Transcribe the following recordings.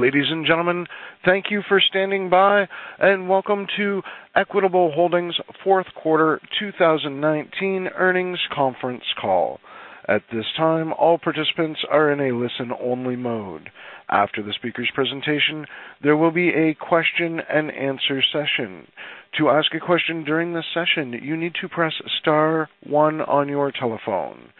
Ladies and gentlemen, thank you for standing by. Welcome to Equitable Holdings' Q4 2019 earnings conference call. At this time, all participants are in a listen-only mode. After the speaker's presentation, there will be a Q&A session. To ask a question during the session, you need to press star 1 on your telephone.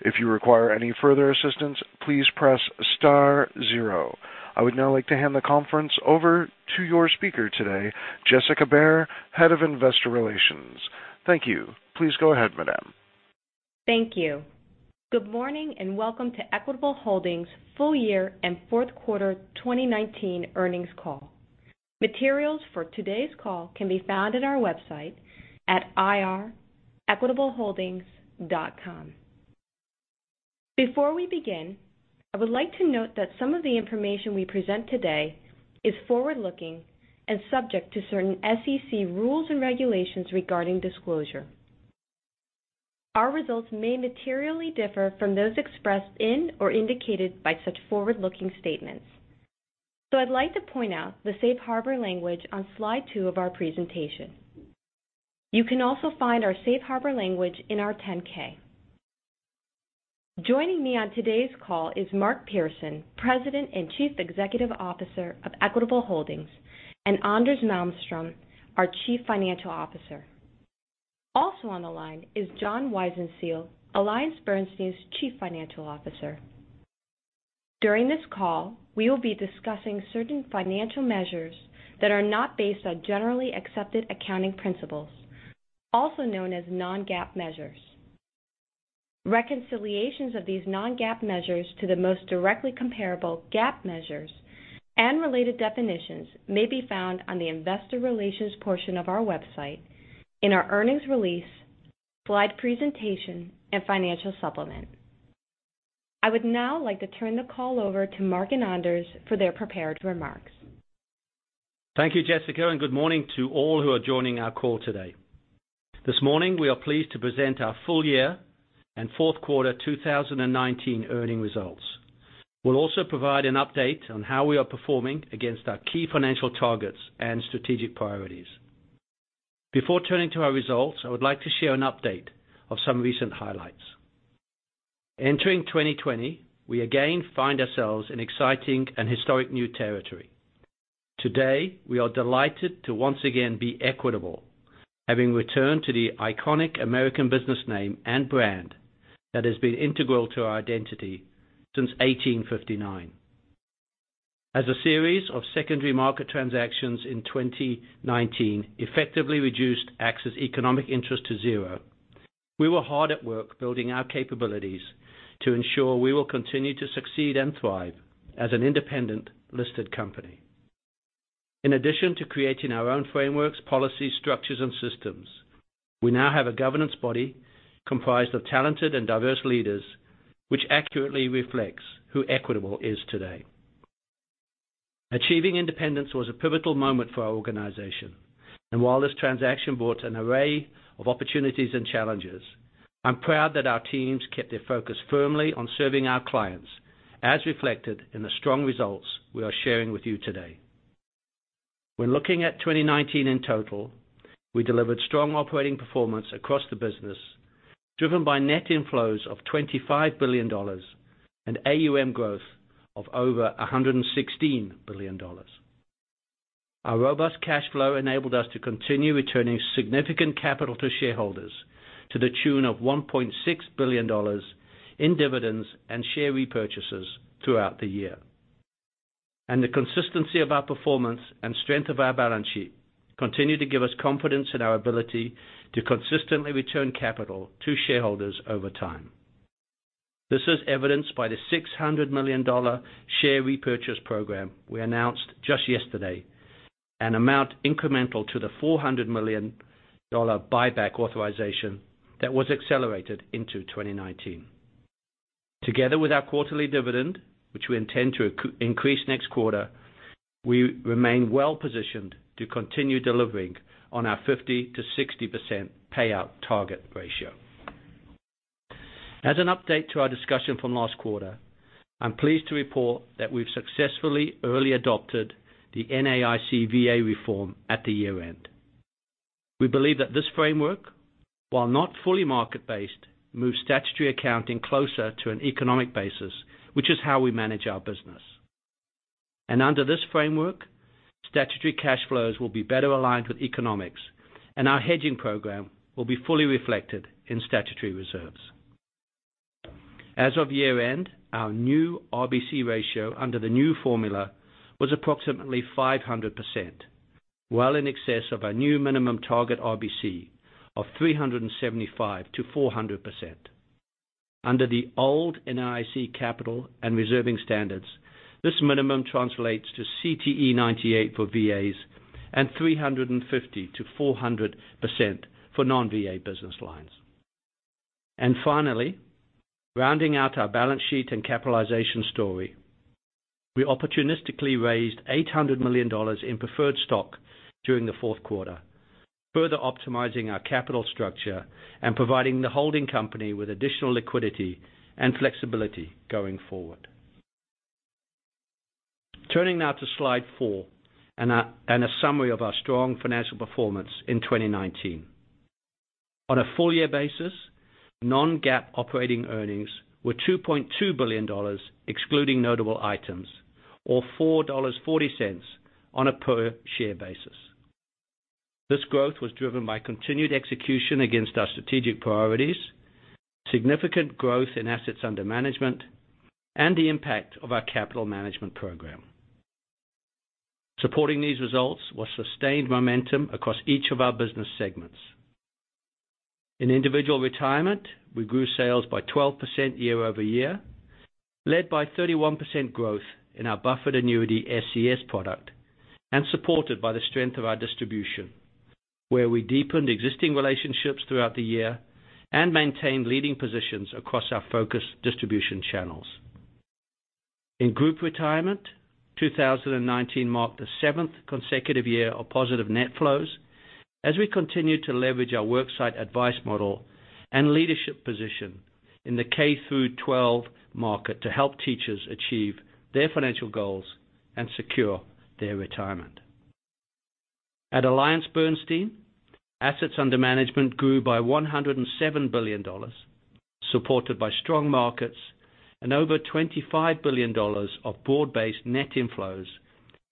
If you require any further assistance, please press star 0. I would now like to hand the conference over to your speaker today, Jessica Baehr, Head of Investor Relations. Thank you. Please go ahead, Madam. Thank you. Good morning. Welcome to Equitable Holdings' Q4 2019 earnings call. Materials for today's call can be found at our website at ir.equitableholdings.com. Before we begin, I would like to note that some of the information we present today is forward-looking and subject to certain SEC rules and regulations regarding disclosure. Our results may materially differ from those expressed in or indicated by such forward-looking statements. I'd like to point out the safe harbor language on slide two of our presentation. You can also find our safe harbor language in our 10-K. Joining me on today's call is Mark Pearson, President and Chief Executive Officer of Equitable Holdings, and Anders Malmstrom, our Chief Financial Officer. Also on the line is John Weisenseel, AllianceBernstein's Chief Financial Officer. During this call, we will be discussing certain financial measures that are not based on Generally Accepted Accounting Principles, also known as non-GAAP measures. Reconciliations of these non-GAAP measures to the most directly comparable GAAP measures and related definitions may be found on the Investor Relations portion of our website, in our earnings release, slide presentation, and financial supplement. I would now like to turn the call over to Mark and Anders for their prepared remarks. Thank you, Jessica. Good morning to all who are joining our call today. This morning we are pleased to present our full year and Q4 2019 earnings results. We'll also provide an update on how we are performing against our key financial targets and strategic priorities. Before turning to our results, I would like to share an update of some recent highlights. Entering 2020, we again find ourselves in exciting and historic new territory. Today we are delighted to once again be Equitable, having returned to the iconic American business name and brand that has been integral to our identity since 1859. As a series of secondary market transactions in 2019 effectively reduced AXA's economic interest to zero, we were hard at work building our capabilities to ensure we will continue to succeed and thrive as an independent listed company. In addition to creating our own frameworks, policies, structures, and systems, we now have a governance body comprised of talented and diverse leaders which accurately reflects who Equitable is today. Achieving independence was a pivotal moment for our organization, while this transaction brought an array of opportunities and challenges, I'm proud that our teams kept their focus firmly on serving our clients, as reflected in the strong results we are sharing with you today. When looking at 2019 in total, we delivered strong operating performance across the business, driven by net inflows of $25 billion and AUM growth of over $116 billion. Our robust cash flow enabled us to continue returning significant capital to shareholders to the tune of $1.6 billion in dividends and share repurchases throughout the year. The consistency of our performance and strength of our balance sheet continue to give us confidence in our ability to consistently return capital to shareholders over time. This is evidenced by the $600 million share repurchase program we announced just yesterday, an amount incremental to the $400 million buyback authorization that was accelerated into 2019. Together with our quarterly dividend, which we intend to increase next quarter, we remain well positioned to continue delivering on our 50%-60% payout target ratio. As an update to our discussion from last quarter, I'm pleased to report that we've successfully early adopted the NAIC VA reform at the year-end. We believe that this framework, while not fully market-based, moves statutory accounting closer to an economic basis, which is how we manage our business. Under this framework, statutory cash flows will be better aligned with economics, and our hedging program will be fully reflected in statutory reserves. As of year-end, our new RBC ratio under the new formula was approximately 500%, well in excess of our new minimum target RBC of 375%-400%. Under the old NAIC capital and reserving standards, this minimum translates to CTE 98 for VAs and 350%-400% for non-VA business lines. Finally, rounding out our balance sheet and capitalization story, we opportunistically raised $800 million in preferred stock during the Q4, further optimizing our capital structure and providing the holding company with additional liquidity and flexibility going forward. Turning now to slide 4 and a summary of our strong financial performance in 2019. On a full-year basis, non-GAAP operating earnings were $2.2 billion, excluding notable items, or $4.40 on a per-share basis. This growth was driven by continued execution against our strategic priorities, significant growth in assets under management, and the impact of our capital management program. Supporting these results was sustained momentum across each of our business segments. In individual retirement, we grew sales by 12% year-over-year, led by 31% growth in our buffered annuity SCS product, and supported by the strength of our distribution, where we deepened existing relationships throughout the year and maintained leading positions across our focused distribution channels. In group retirement, 2019 marked the seventh consecutive year of positive net flows as we continued to leverage our worksite advice model and leadership position in the K through 12 market to help teachers achieve their financial goals and secure their retirement. At AllianceBernstein, assets under management grew by $107 billion, supported by strong markets and over $25 billion of broad-based net inflows,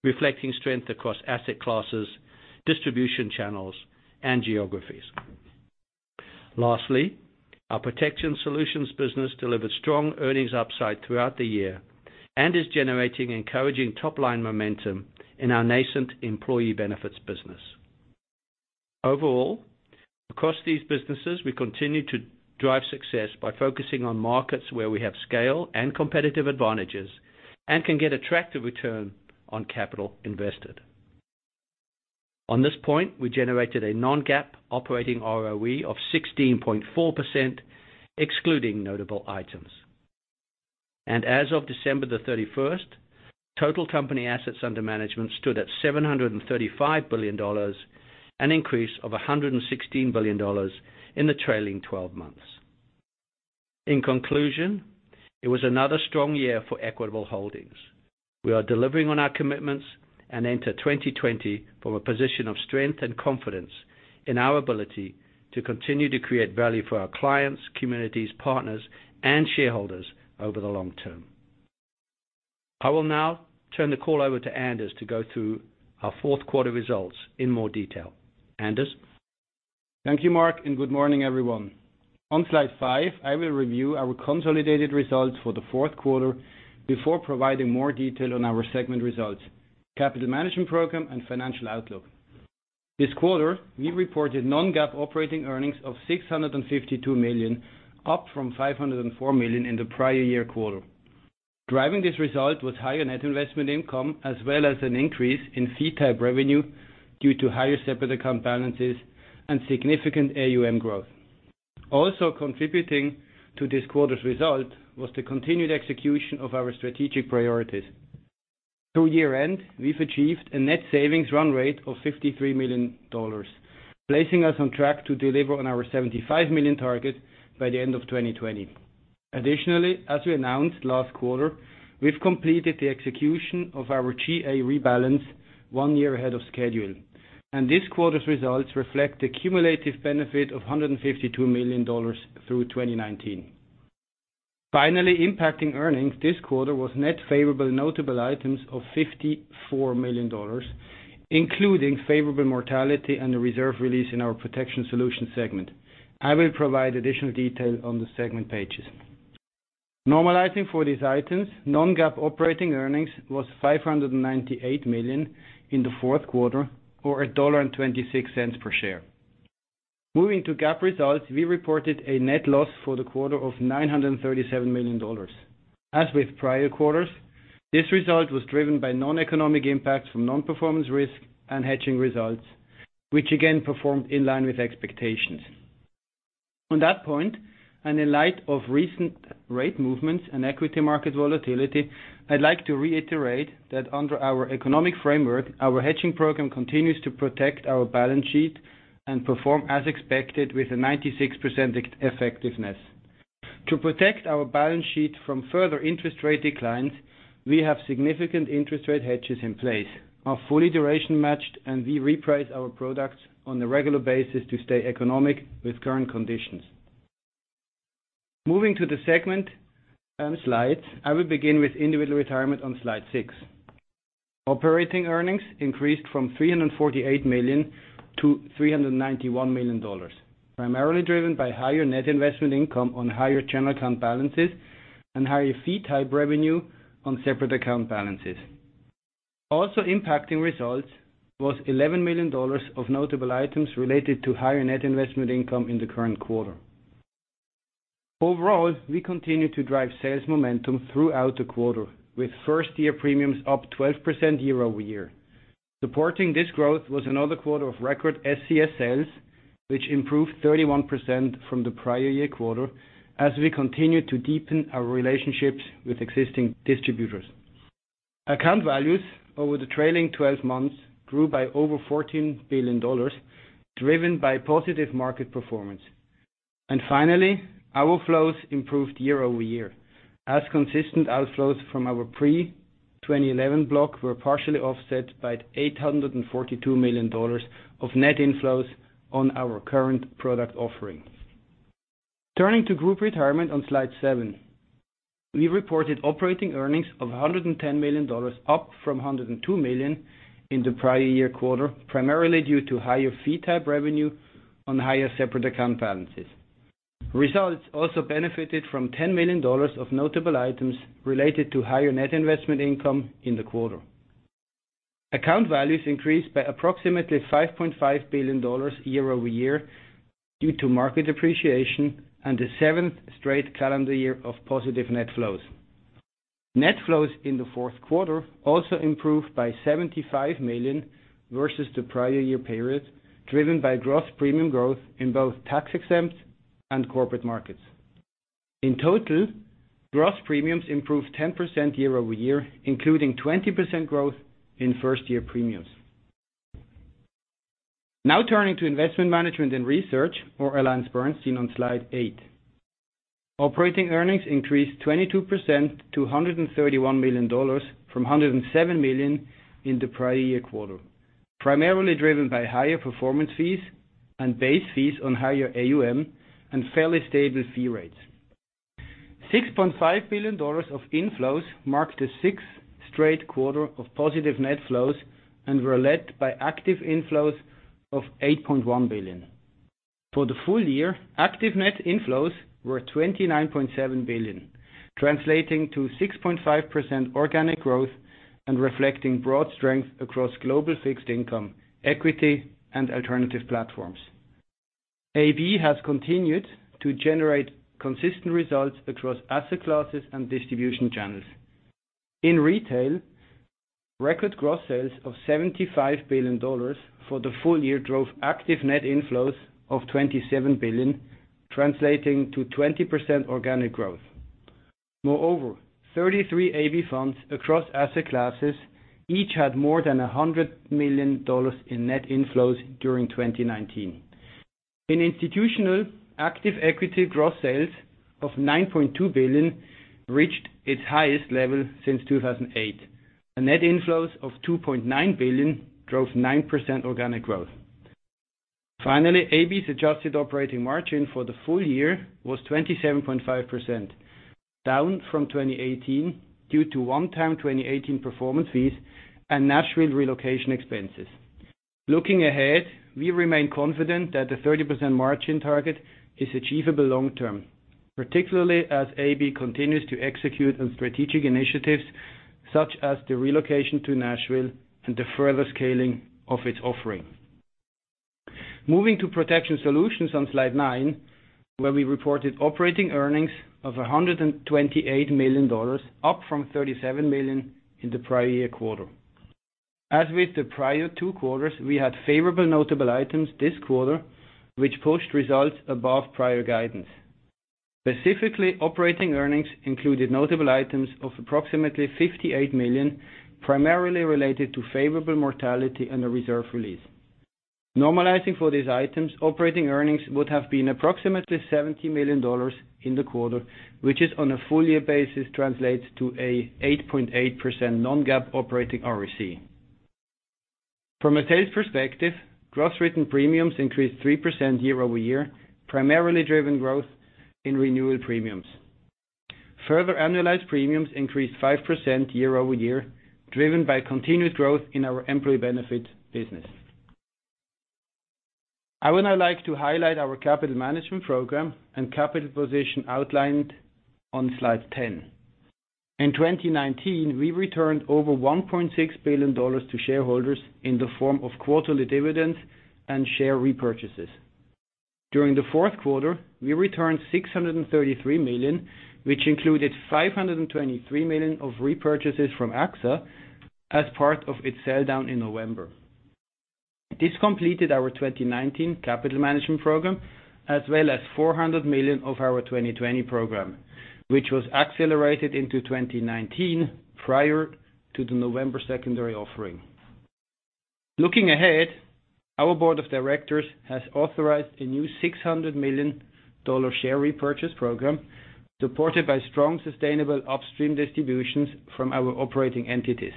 reflecting strength across asset classes, distribution channels, and geographies. Lastly, our Protection Solutions business delivered strong earnings upside throughout the year and is generating encouraging top-line momentum in our nascent employee benefits business. Overall, across these businesses, we continue to drive success by focusing on markets where we have scale and competitive advantages and can get attractive return on capital invested. On this point, we generated a non-GAAP operating ROE of 16.4%, excluding notable items. As of December 31st, total company assets under management stood at $735 billion, an increase of $116 billion in the trailing 12 months. In conclusion, it was another strong year for Equitable Holdings. We are delivering on our commitments and enter 2020 from a position of strength and confidence in our ability to continue to create value for our clients, communities, partners, and shareholders over the long term. I will now turn the call over to Anders to go through our Q4 results in more detail. Anders? Thank you, Mark, and good morning, everyone. On slide 5, I will review our consolidated results for Q4 before providing more detail on our segment results, capital management program, and financial outlook. This quarter, we reported non-GAAP operating earnings of $652 million, up from $504 million in the prior year quarter. Driving this result was higher net investment income as well as an increase in fee-type revenue due to higher separate account balances and significant AUM growth. Also contributing to this quarter's result was the continued execution of our strategic priorities. Through year-end, we've achieved a net savings run-rate of $53 million, placing us on track to deliver on our $75 million target by the end of 2020. Additionally, as we announced last quarter, we've completed the execution of our GA rebalance one year ahead of schedule, and this quarter's results reflect a cumulative benefit of $152 million through 2019. Finally, impacting earnings this quarter was net favorable notable items of $54 million, including favorable mortality and a reserve release in our Protection Solutions segment. I will provide additional detail on the segment pages. Normalizing for these items, non-GAAP operating earnings was $598 million in the Q4, or $1.26 per share. Moving to GAAP results, we reported a net loss for the quarter of $937 million. As with prior quarters, this result was driven by non-economic impacts from non-performance risk and hedging results, which again performed in line with expectations. On that point, and in light of recent rate movements and equity market volatility, I'd like to reiterate that under our economic framework, our hedging program continues to protect our balance sheet and perform as expected with a 96% effectiveness. To protect our balance sheet from further interest rate declines, we have significant interest rate hedges in place, are fully duration-matched, and we reprice our products on a regular basis to stay economic with current conditions. Moving to the segment slides, I will begin with individual retirement on slide 6. Operating earnings increased from $348 million to $391 million, primarily driven by higher net investment income on higher general account balances and higher fee-type revenue on separate account balances. Also impacting results was $11 million of notable items related to higher net investment income in the current quarter. Overall, we continue to drive sales momentum throughout the quarter, with first-year premiums up 12% year-over-year. Supporting this growth was another quarter of record SCS sales, which improved 31% from the prior year quarter as we continue to deepen our relationships with existing distributors. Account values over the trailing 12 months grew by over $14 billion, driven by positive market performance. Finally, our flows improved year-over-year, as consistent outflows from our pre-2011 block were partially offset by $842 million of net inflows on our current product offering. Turning to group retirement on slide 7, we reported operating earnings of $110 million, up from $102 million in the prior year quarter, primarily due to higher fee-type revenue on higher separate account balances. Results also benefited from $10 million of notable items related to higher net investment income in the quarter. Account values increased by approximately $5.5 billion year-over-year due to market appreciation and the seventh straight calendar year of positive net flows. Net flows in the Q4 also improved by $75 million versus the prior year period, driven by gross premium growth in both tax-exempt and corporate markets. In total, gross premiums improved 10% year-over-year, including 20% growth in first-year premiums. Now turning to investment management and research, or AllianceBernstein on slide 8. Operating earnings increased 22% to $131 million from $107 million in the prior year quarter, primarily driven by higher performance fees and base fees on higher AUM and fairly stable fee rates. $6.5 billion of inflows marked a sixth straight quarter of positive net flows and were led by active inflows of $8.1 billion. For the full year, active net inflows were $29.7 billion, translating to 6.5% organic growth and reflecting broad strength across global fixed income, equity, and alternative platforms. AB has continued to generate consistent results across asset classes and distribution channels. In retail, record gross sales of $75 billion for the full year drove active net inflows of $27 billion, translating to 20% organic growth. Moreover, 33 AB funds across asset classes each had more than $100 million in net inflows during 2019. In institutional, active equity gross sales of $9.2 billion reached its highest level since 2008, and net inflows of $2.9 billion drove 9% organic growth. Finally, AB's adjusted operating margin for the full year was 27.5%, down from 2018 due to one-time 2018 performance fees and Nashville relocation expenses. Looking ahead, we remain confident that the 30% margin target is achievable long term, particularly as AB continues to execute on strategic initiatives such as the relocation to Nashville and the further scaling of its offering. Moving to Protection Solutions on slide nine, where we reported operating earnings of $128 million, up from $37 million in the prior year quarter. As with the prior two quarters, we had favorable notable items this quarter, which pushed results above prior guidance. Specifically, operating earnings included notable items of approximately $58 million, primarily related to favorable mortality and a reserve release. Normalizing for these items, operating earnings would have been approximately $70 million in the quarter, which on a full-year basis translates to an 8.8% non-GAAP operating ROC. From a sales perspective, gross written premiums increased 3% year-over-year, primarily driven growth in renewal premiums. Further annualized premiums increased 5% year-over-year, driven by continued growth in our employee benefits business. I would now like to highlight our capital management program and capital position outlined on slide 10. In 2019, we returned over $1.6 billion to shareholders in the form of quarterly dividends and share repurchases. During the Q4, we returned $633 million, which included $523 million of repurchases from AXA as part of its sell-down in November. This completed our 2019 capital management program as well as $400 million of our 2020 program, which was accelerated into 2019 prior to the November secondary offering. Looking ahead, our board of directors has authorized a new $600 million share repurchase program supported by strong sustainable upstream distributions from our operating entities.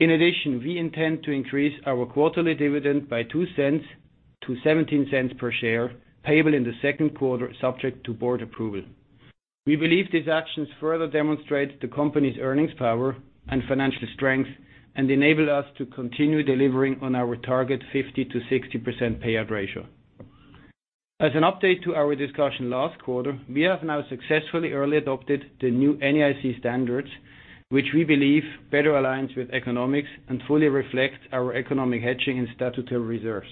In addition, we intend to increase our quarterly dividend by $0.02 to $0.17 per share, payable in the second quarter subject to board approval. We believe these actions further demonstrate the company's earnings power and financial strength and enable us to continue delivering on our target 50%-60% payout ratio. As an update to our discussion last quarter, we have now successfully early adopted the new NAIC standards, which we believe better aligns with economics and fully reflects our economic hedging and statutory reserves.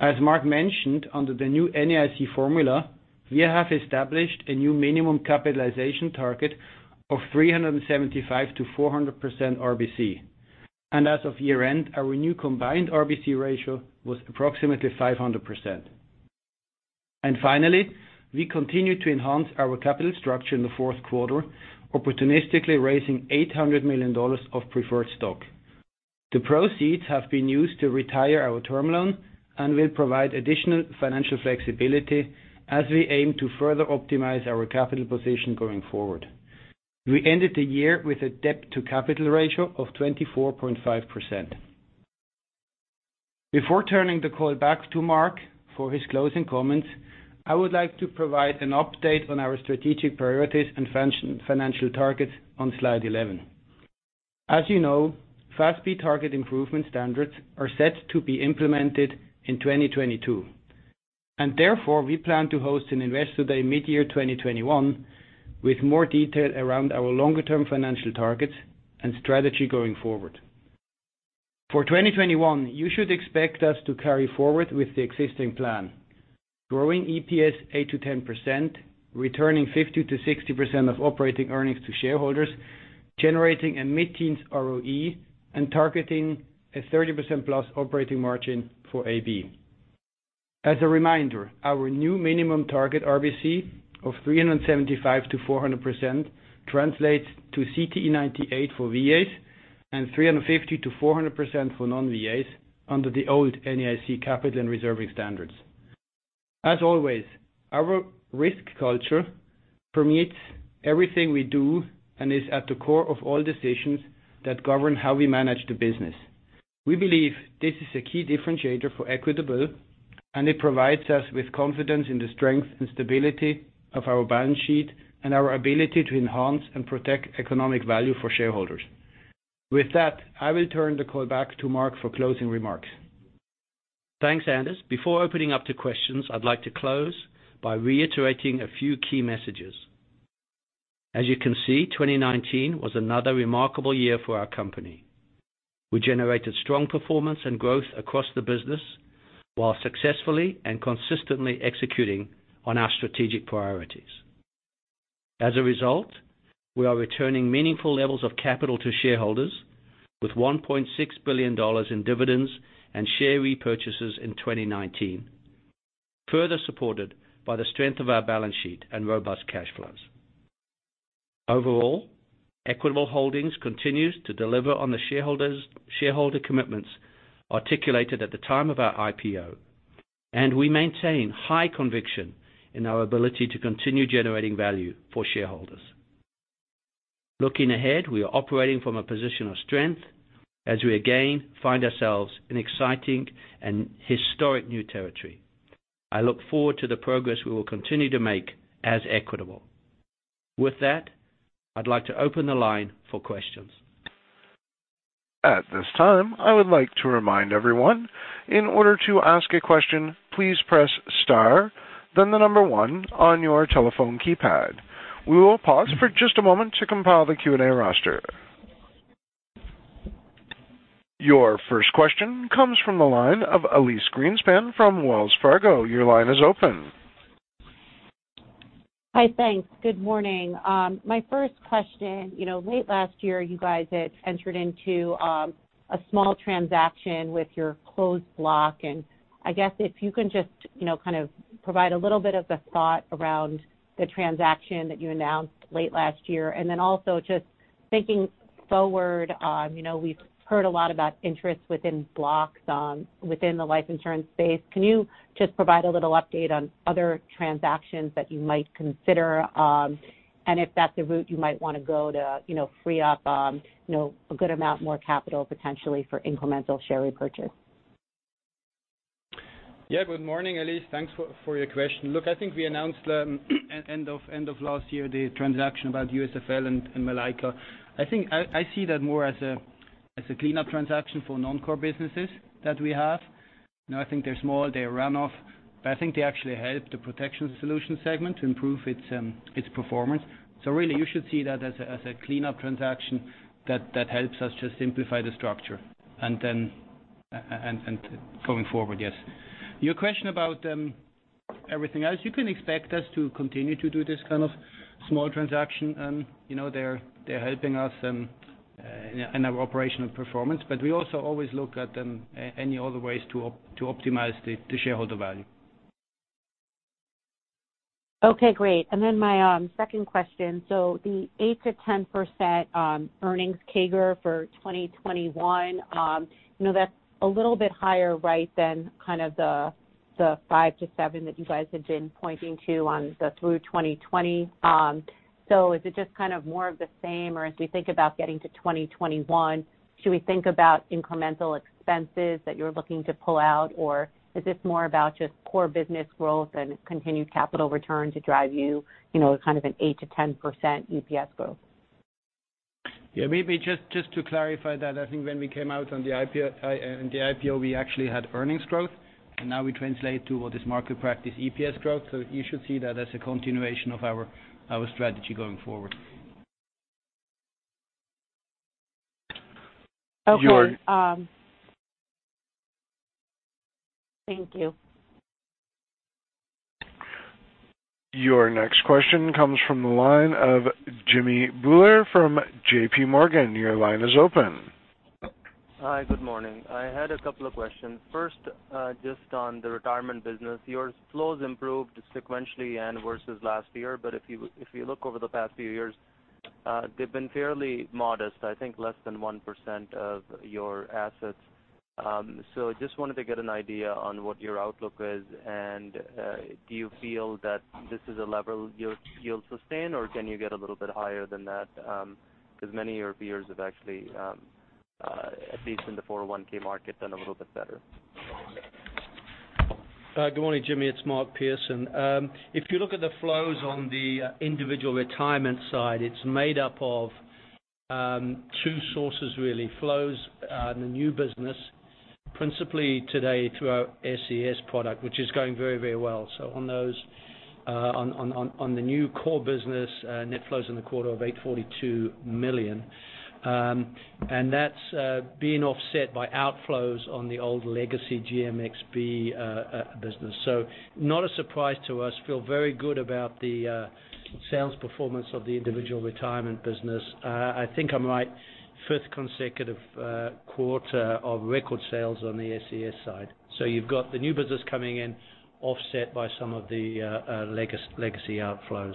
As Mark mentioned, under the new NAIC formula, we have established a new minimum capitalization target of 375%-400% RBC, and as of year-end, our new combined RBC ratio was approximately 500%. Finally, we continue to enhance our capital structure in the Q4, opportunistically raising $800 million of preferred stock. The proceeds have been used to retire our term loan and will provide additional financial flexibility as we aim to further optimize our capital position going forward. We ended the year with a debt-to-capital ratio of 24.5%. Before turning the call back to Mark for his closing comments, I would like to provide an update on our strategic priorities and financial targets on slide 11. As you know, FASB target improvement standards are set to be implemented in 2022. Therefore, we plan to host an Investor Day mid-year 2021 with more detail around our longer-term financial targets and strategy going forward. For 2021, you should expect us to carry forward with the existing plan: growing EPS 8%-10%, returning 50%-60% of operating earnings to shareholders, generating a mid-teens ROE, and targeting a 30%+ operating margin for AB. As a reminder, our new minimum target RBC of 375%-400% translates to CTE 98 for VAs and 350%-400% for non-VAs under the old NAIC capital and reserving standards. As always, our risk culture permits everything we do and is at the core of all decisions that govern how we manage the business. We believe this is a key differentiator for Equitable, and it provides us with confidence in the strength and stability of our balance sheet and our ability to enhance and protect economic value for shareholders. With that, I will turn the call back to Mark for closing remarks. Thanks, Anders. Before opening up to questions, I'd like to close by reiterating a few key messages. As you can see, 2019 was another remarkable year for our company. We generated strong performance and growth across the business while successfully and consistently executing on our strategic priorities. As a result, we are returning meaningful levels of capital to shareholders with $1.6 billion in dividends and share repurchases in 2019, further supported by the strength of our balance sheet and robust cash flows. Overall, Equitable Holdings continues to deliver on the shareholder commitments articulated at the time of our IPO, and we maintain high conviction in our ability to continue generating value for shareholders. Looking ahead, we are operating from a position of strength as we again find ourselves in exciting and historic new territory. I look forward to the progress we will continue to make as Equitable. With that, I'd like to open the line for questions. At this time, I would like to remind everyone, in order to ask a question, please press star, then the number one on your telephone keypad. We will pause for just a moment to compile the Q&A roster. Your first question comes from the line of Elyse Greenspan from Wells Fargo. Your line is open. Hi, thanks. Good morning. My first question, late last year you guys had entered into a small transaction with your closed block. I guess if you can just kind of provide a little bit of the thought around the transaction that you announced late last year. Also just thinking forward, we've heard a lot about interest within blocks within the life insurance space. Can you just provide a little update on other transactions that you might consider, and if that's the route you might want to go to free up a good amount more capital potentially for incremental share repurchase? Good morning, Elyse. Thanks for your question. We announced end of last year the transaction about USFL and MONY Life. I see that more as a cleanup transaction for non-core businesses that we have. They're small, they're a run-off, but they actually help the Protection Solutions segment to improve its performance. You should see that as a cleanup transaction that helps us just simplify the structure. Going forward, yes. Your question about everything else, you can expect us to continue to do this kind of small transaction. They're helping us in our operational performance, but we also always look at any other ways to optimize the shareholder value. Okay, great. My second question, the 8%-10% earnings CAGR for 2021, that's a little bit higher, right, than kind of the 5%-7% that you guys had been pointing to on the through 2020. Is it just kind of more of the same, or as we think about getting to 2021, should we think about incremental expenses that you're looking to pull out, or is this more about just core business growth and continued capital return to drive you kind of an 8%-10% EPS growth? Maybe just to clarify that, when we came out on the IPO, we actually had earnings growth. Now we translate to what is market practice EPS growth. You should see that as a continuation of our strategy going forward. Okay. You're. Thank you. Your next question comes from the line of Jimmy Bhullar from JPMorgan. Your line is open. Hi, good morning. I had a couple of questions. First, just on the retirement business, your flows improved sequentially versus last year, but if you look over the past few years, they've been fairly modest. I think less than 1% of your assets. I just wanted to get an idea on what your outlook is, and do you feel that this is a level you'll sustain, or can you get a little bit higher than that? Because many of your peers have actually, at least in the 401(k) market, done a little bit better. Good morning, Jimmy. It's Mark Pearson. If you look at the flows on the individual retirement side, it's made up of two sources, really. Flows in the new business, principally today through our SCS product, which is going very, very well. On the new core business, net flows in the quarter of $842 million, and that's being offset by outflows on the old legacy GMXB business. Not a surprise to us. Feel very good about the sales performance of the individual retirement business. I think I'm right, fifth consecutive quarter of record sales on the SCS side. You've got the new business coming in, offset by some of the legacy outflows.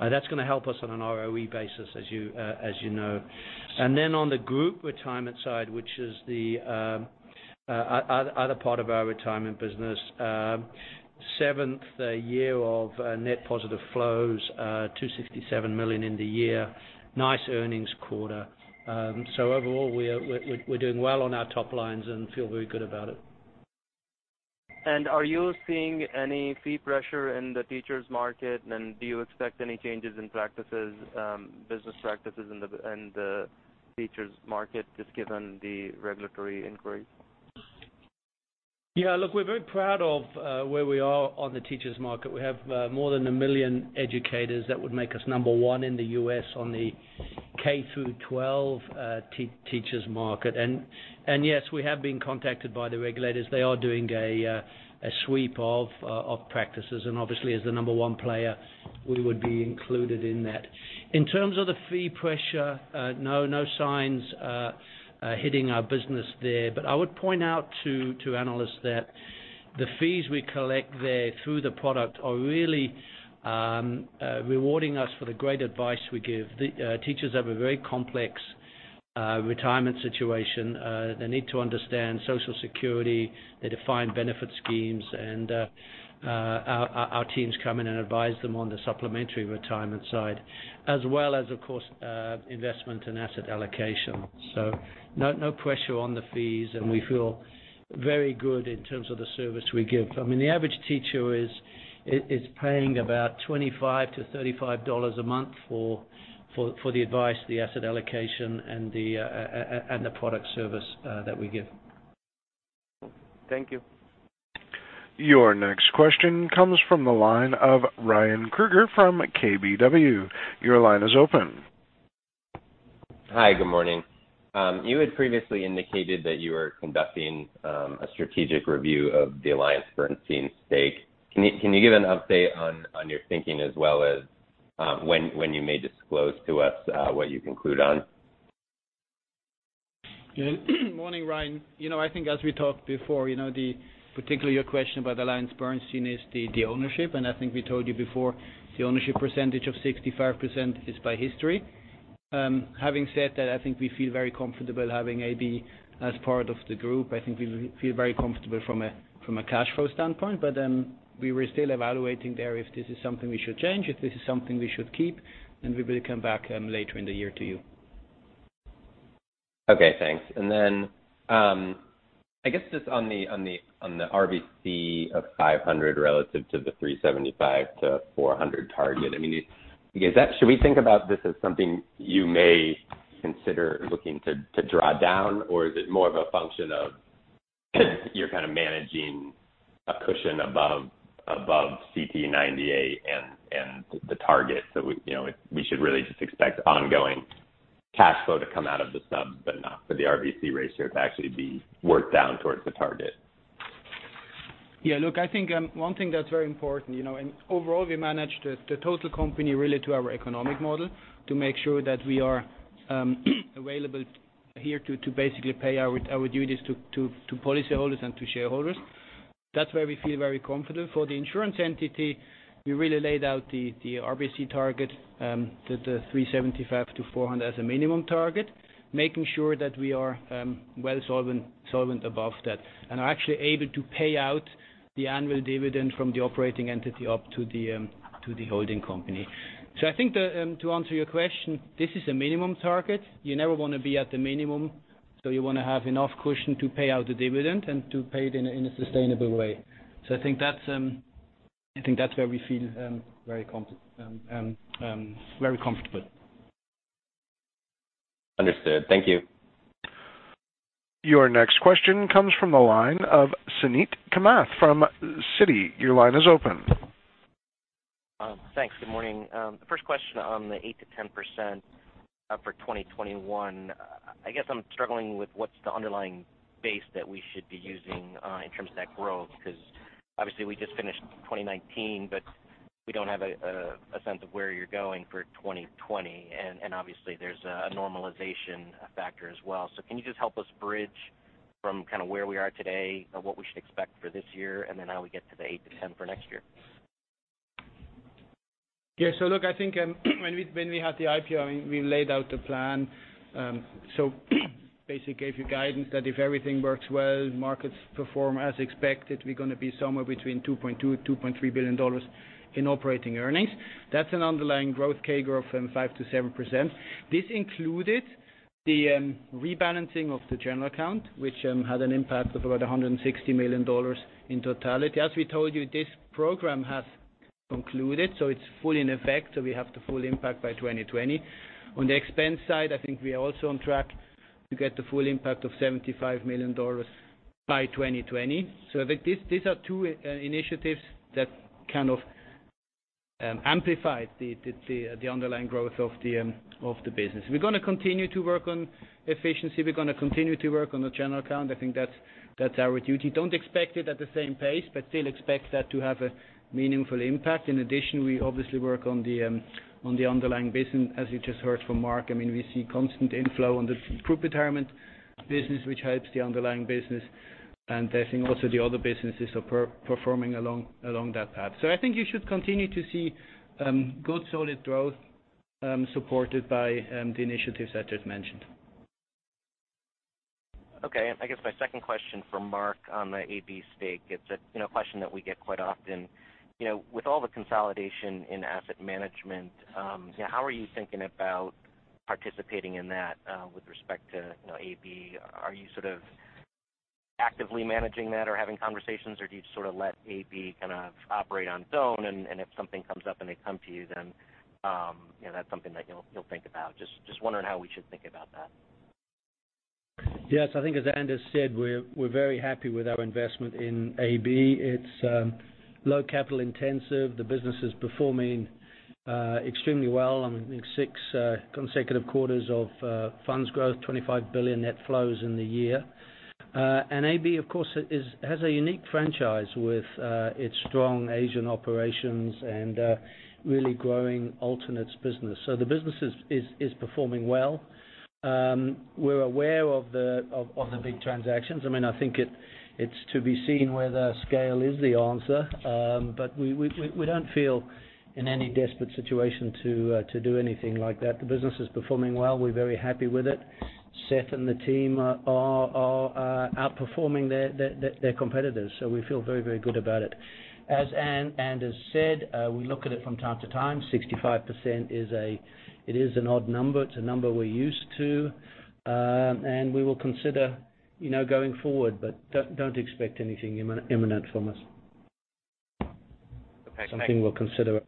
That's going to help us on an ROE basis, as you know. On the group retirement side, which is the other part of our retirement business, seventh year of net positive flows, $267 million in the year, nice earnings quarter. Overall, we're doing well on our top lines and feel very good about it. Are you seeing any fee pressure in the teachers' market, and do you expect any changes in practices, business practices in the teachers' market, just given the regulatory inquiries? Yeah, look, we're very proud of where we are on the teachers' market. We have more than 1 million educators. That would make us number 1 in the U.S. on the K through 12 teachers' market. Yes, we have been contacted by the regulators. They are doing a sweep of practices, and obviously, as the number 1 player, we would be included in that. In terms of the fee pressure, no signs hitting our business there, but I would point out to analysts that the fees we collect there through the product are really rewarding us for the great advice we give. Teachers have a very complex retirement situation. They need to understand Social Security, the defined benefit schemes, and our teams come in and advise them on the supplementary retirement side, as well as, of course, investment and asset allocation. No pressure on the fees, and we feel very good in terms of the service we give. I mean, the average teacher is paying about $25 to $35 a month for the advice, the asset allocation, and the product service that we give. Thank you. Your next question comes from the line of Ryan Krueger from KBW. Your line is open. Hi, good morning. You had previously indicated that you were conducting a strategic review of the AllianceBernstein Stake. Can you give an update on your thinking as well as when you may disclose to us what you conclude on? Good morning, Ryan. I think as we talked before, particularly your question about AllianceBernstein is the ownership. I think we told you before, the ownership percentage of 65% is by history. Having said that, I think we feel very comfortable having AB as part of the group. I think we feel very comfortable from a cash flow standpoint. We were still evaluating there if this is something we should change, if this is something we should keep. We will come back later in the year to you. Okay, thanks. I guess just on the RBC of 500 relative to the 375 to 400 target, I mean, should we think about this as something you may consider looking to draw down, or is it more of a function of you're kind of managing a cushion above CTE 98 and the target? We should really just expect ongoing cash flow to come out of the subs, but not for the RBC ratio to actually be worked down towards the target? Yeah, look, I think one thing that's very important. Overall we manage the total company really to our economic model to make sure that we are available here to basically pay our duties to policyholders and to shareholders. That's where we feel very comfortable. For the insurance entity, we really laid out the RBC target, the 375 to 400 as a minimum target, making sure that we are well solvent above that, and are actually able to pay out the annual dividend from the operating entity up to the holding company. I think to answer your question, this is a minimum target. You never want to be at the minimum, you want to have enough cushion to pay out the dividend and to pay it in a sustainable way. I think that's where we feel very comfortable. Understood. Thank you. Your next question comes from the line of Suneet Kamath from Citi. Your line is open. Thanks. Good morning. The first question, on the 8%-10% for 2021, I guess I'm struggling with what's the underlying base that we should be using in terms of that growth, because obviously, we just finished 2019, but we don't have a sense of where you're going for 2020, and obviously, there's a normalization factor as well. Can you just help us bridge from kind of where we are today, what we should expect for this year, and then how we get to the 8%-10% for next year? I think when we had the IPO, we laid out the plan. Basically, if you guidance that if everything works well, markets perform as expected, we're going to be somewhere between $2.2 billion-$2.3 billion in operating earnings. That's an underlying growth CAGR of 5%-7%. This included the rebalancing of the general account, which had an impact of about $160 million in totality. As we told you, this program has concluded, it's full in effect, we have the full impact by 2020. On the expense side, I think we are also on track to get the full impact of $75 million by 2020. I think these are two initiatives that kind of amplified the underlying growth of the business. We're going to continue to work on efficiency. We're going to continue to work on the general account. I think that's our duty. Don't expect it at the same pace, but still expect that to have a meaningful impact. In addition, we obviously work on the underlying business. As you just heard from Mark, I mean, we see constant inflow on the group retirement business, which helps the underlying business, and I think also the other businesses are performing along that path. I think you should continue to see good, solid growth supported by the initiatives that I've mentioned. Okay. I guess my second question for Mark on the AB stake. It's a question that we get quite often. With all the consolidation in asset management, how are you thinking about participating in that with respect to AB? Are you sort of actively managing that or having conversations, or do you sort of let AB kind of operate on its own? If something comes up and they come to you, that's something that you'll think about. Just wondering how we should think about that. Yes, I think as Anders said, we're very happy with our investment in AB. It's low capital intensive. The business is performing extremely well on six consecutive quarters of funds growth, $25 billion net flows in the year. AB, of course, has a unique franchise with its strong Asian operations and really growing alternates business. The business is performing well. We're aware of the big transactions. I mean, I think it's to be seen whether scale is the answer, we don't feel in any desperate situation to do anything like that. The business is performing well. We're very happy with it. Seth and the team are outperforming their competitors, so we feel very, very good about it. As Anders said, we look at it from time to time. 65% is an odd number. It's a number we're used to, we will consider going forward, don't expect anything imminent from us. Something we'll consider.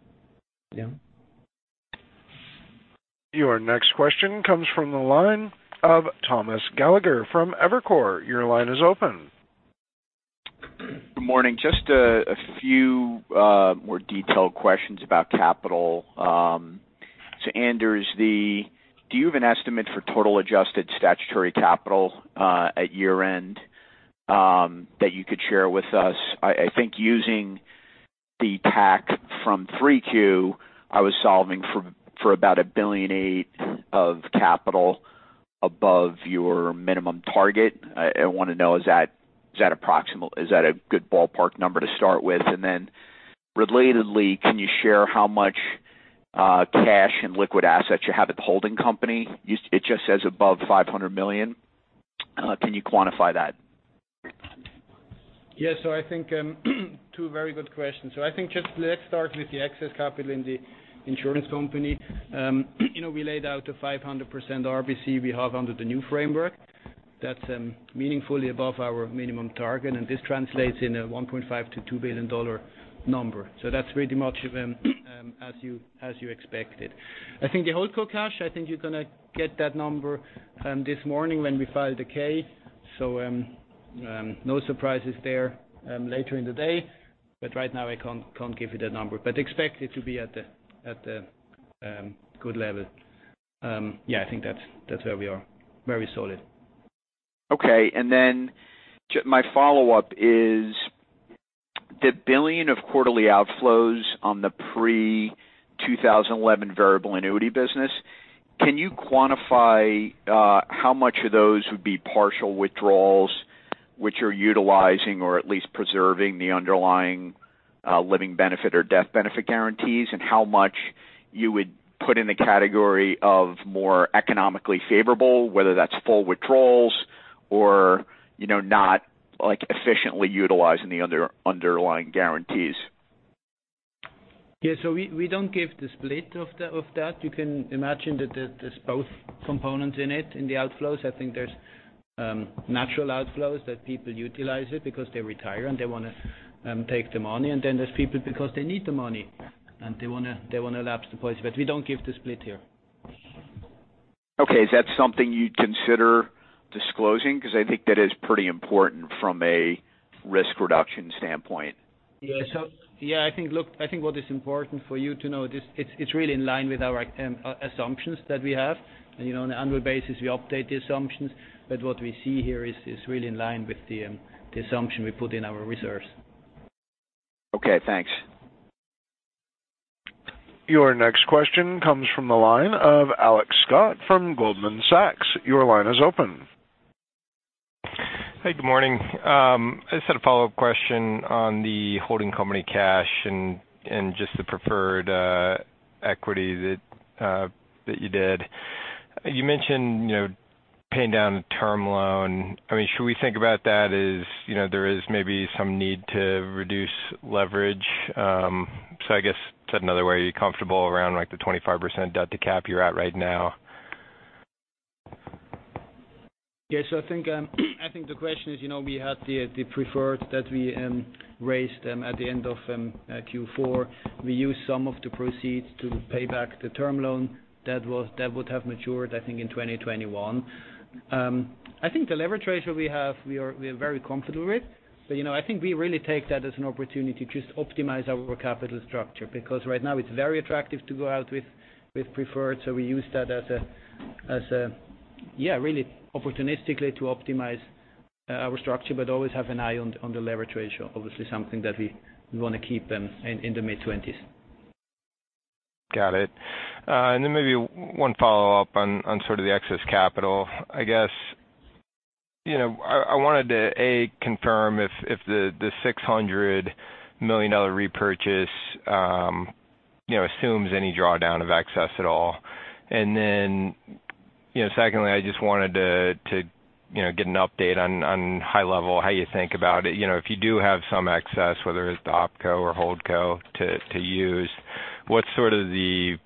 Your next question comes from the line of Thomas Gallagher from Evercore. Your line is open. Good morning. Just a few more detailed questions about capital. Anders, do you have an estimate for total adjusted statutory capital at year-end that you could share with us? I think using the TAC from 3Q, I was solving for about $1.8 billion of capital above your minimum target. I want to know, is that approximate? Is that a good ballpark number to start with? Then relatedly, can you share how much cash and liquid assets you have at the holding company? It just says above $500 million. Can you quantify that? I think two very good questions. I think just let's start with the excess capital in the insurance company. We laid out a 500% RBC we have under the new framework. That's meaningfully above our minimum target, and this translates in a $1.5 billion-$2 billion number. That's pretty much as you expected. I think the holdco cash, I think you're going to get that number this morning when we file the K, no surprises there later in the day. Right now, I can't give you that number, but expect it to be at the good level. I think that's where we are, very solid. Okay. My follow-up is the $1 billion of quarterly outflows on the pre-2011 variable annuity business. Can you quantify how much of those would be partial withdrawals, which are utilizing or at least preserving the underlying living benefit or death benefit guarantees, and how much you would put in the category of more economically favorable, whether that's full withdrawals or not efficiently utilizing the underlying guarantees? We don't give the split of that. You can imagine that there's both components in it, in the outflows. I think there's natural outflows that people utilize it because they retire and they want to take the money, and then there's people because they need the money and they want to elapse the policy. We don't give the split here. Okay. Is that something you'd consider disclosing? Because I think that is pretty important from a risk reduction standpoint. Yeah, I think what is important for you to know is it's really in line with our assumptions that we have. On an annual basis, we update the assumptions, but what we see here is really in line with the assumption we put in our reserves. Okay, thanks. Your next question comes from the line of Alex Scott from Goldman Sachs. Your line is open. Hey, good morning. I just had a follow-up question on the holding company cash and just the preferred equity that you did. You mentioned paying down a term loan. I mean, should we think about that as there is maybe some need to reduce leverage? I guess, said another way, are you comfortable around the 25% debt-to-cap you're at right now? I think the question is we had the preferred that we raised at the end of Q4. We used some of the proceeds to pay back the term loan that would have matured, I think, in 2021. I think the leverage ratio we have, we are very comfortable with, but I think we really take that as an opportunity to just optimize our capital structure because right now, it's very attractive to go out with preferred, so we use that as a really opportunistically to optimize our structure, but always have an eye on the leverage ratio. Obviously, something that we want to keep in the mid-20s. Got it. Maybe one follow-up on sort of the excess capital. I guess I wanted to, A, confirm if the $600 million repurchase assumes any drawdown of excess at all. Secondly, I just wanted to get an update on high level how you think about it. If you do have some excess, whether it's the opco or holdco to use, what's sort of the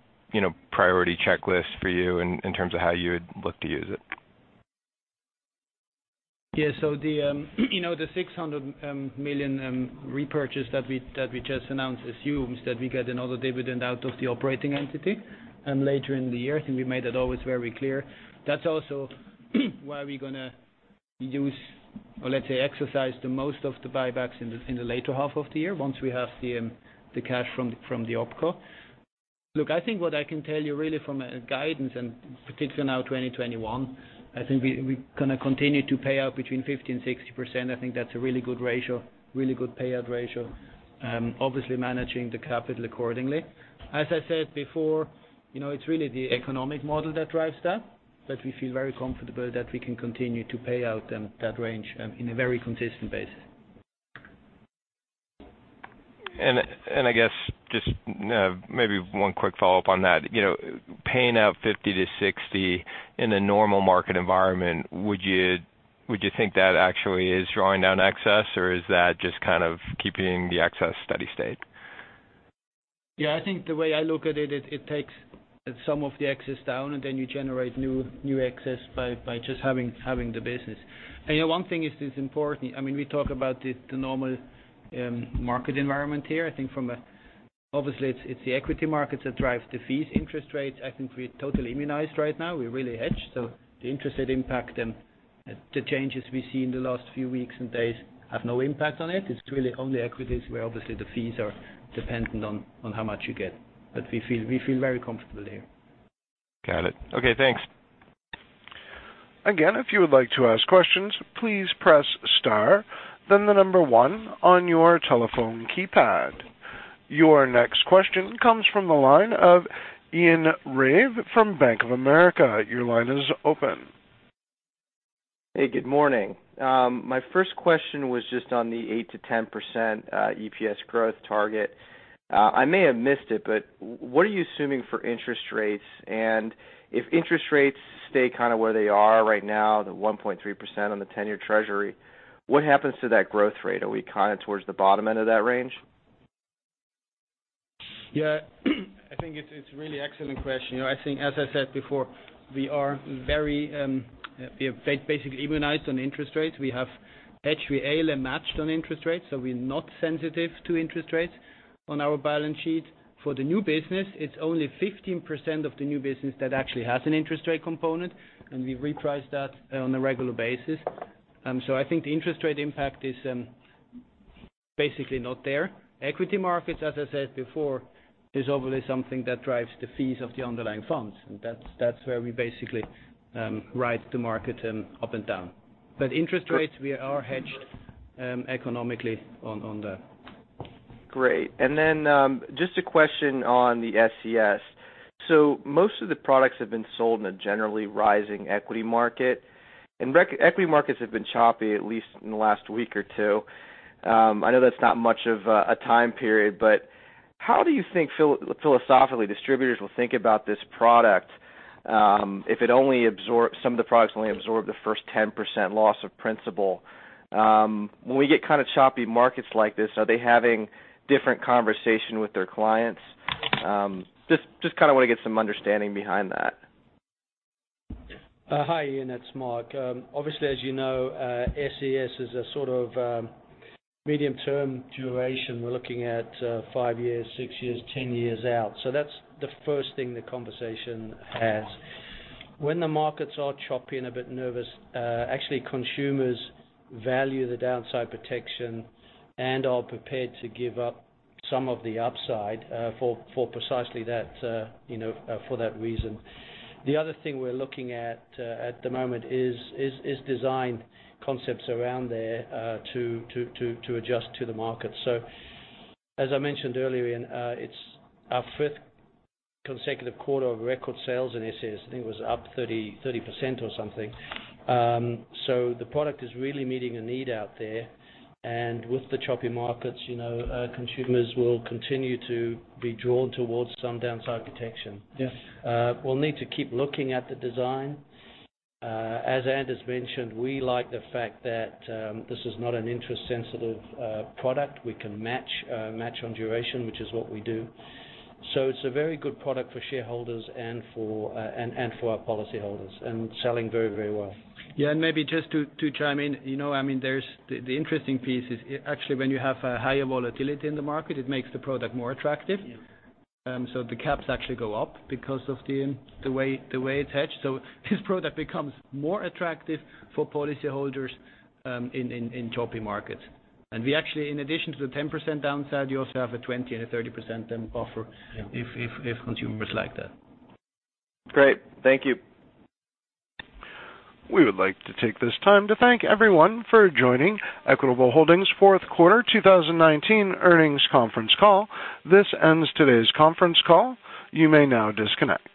priority checklist for you in terms of how you would look to use it? The $600 million repurchase that we just announced assumes that we get another dividend out of the operating entity later in the year. I think we made that always very clear. That's also why we're going to use, or let's say, exercise the most of the buybacks in the later half of the year once we have the cash from the opco. I think what I can tell you really from guidance, and particularly now 2021, I think we're going to continue to pay out between 50% and 60%. I think that's a really good ratio, really good payout ratio, obviously managing the capital accordingly. As I said before, it's really the economic model that drives that, but we feel very comfortable that we can continue to pay out that range in a very consistent basis. I guess just maybe one quick follow-up on that. Paying out 50%-60% in a normal market environment, would you think that actually is drawing down excess, or is that just kind of keeping the excess steady state? I think the way I look at it takes some of the excess down, and then you generate new excess by just having the business. One thing is important. I mean, we talk about the normal market environment here. I think from, obviously, it's the equity markets that drive the fees, interest rates. I think we're totally immunized right now. We really hedge, so the interest rate impact and the changes we see in the last few weeks and days have no impact on it. It's really only equities where obviously the fees are dependent on how much you get. We feel very comfortable here. Got it. Okay, thanks. Again, if you would like to ask questions, please press star, then the number one on your telephone keypad. Your next question comes from the line of Ian Ryave from Bank of America. Your line is open. Hey, good morning. My first question was just on the 8%-10% EPS growth target. I may have missed it, what are you assuming for interest rates? If interest rates stay kind of where they are right now, the 1.3% on the 10-year Treasury, what happens to that growth rate? Are we kind of towards the bottom end of that range? I think it's a really excellent question. I think, as I said before, we are very basically immunized on interest rates. We have HVAL matched on interest rates. We're not sensitive to interest rates on our balance sheet. For the new business, it's only 15% of the new business that actually has an interest rate component. We reprice that on a regular basis. I think the interest rate impact is basically not there. Equity markets, as I said before, is obviously something that drives the fees of the underlying funds. That's where we basically ride the market up and down. Interest rates, we are hedged economically on that. Great. Just a question on the SCS. Most of the products have been sold in a generally rising equity market. Equity markets have been choppy, at least in the last week or two. I know that's not much of a time period. How do you think, philosophically, distributors will think about this product if it only absorbs some of the products only absorb the first 10% loss of principal? When we get kind of choppy markets like this, are they having different conversations with their clients? Just kind of want to get some understanding behind that. Hi, Ian, that's Mark. Obviously, as you know, SCS is a sort of medium-term duration. We're looking at 5 years, 6 years, 10 years out. That's the first thing the conversation has. When the markets are choppy and a bit nervous, actually, consumers value the downside protection and are prepared to give up some of the upside for precisely that reason. The other thing we're looking at at the moment is design concepts around there to adjust to the market. As I mentioned earlier, Ian, our fifth consecutive quarter of record sales in SCS, I think it was up 30% or something. The product is really meeting a need out there. With the choppy markets, consumers will continue to be drawn towards some downside protection. We'll need to keep looking at the design. As Anders mentioned, we like the fact that this is not an interest-sensitive product. We can match on duration, which is what we do. It's a very good product for shareholders and for our policyholders. Selling very, very well. Yeah, maybe just to chime in, I mean, the interesting piece is actually when you have higher volatility in the market, it makes the product more attractive. The caps actually go up because of the way it's hedged. This product becomes more attractive for policyholders in choppy markets. We actually, in addition to the 10% downside, you also have a 20% and a 30% offer if consumers like that. Great. Thank you. We would like to take this time to thank everyone for joining Equitable Holdings' Q4 2019 earnings conference call. This ends today's conference call. You may now disconnect.